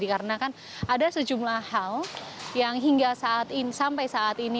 karena kan ada sejumlah hal yang hingga saat ini sampai saat ini